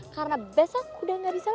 karena besok udah gak bisa lagi